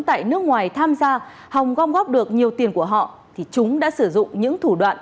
tại nước ngoài tham gia hòng gom góp được nhiều tiền của họ thì chúng đã sử dụng những thủ đoạn